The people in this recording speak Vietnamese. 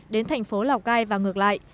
đến thành phố lào cai và ngược lại